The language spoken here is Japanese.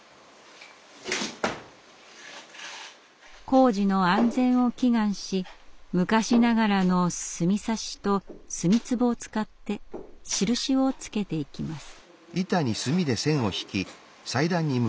工事の安全を祈願し昔ながらの墨差しと墨つぼを使って印をつけていきます。